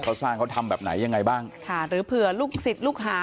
เขาสร้างเขาทำแบบไหนยังไงบ้างค่ะหรือเผื่อลูกศิษย์ลูกหา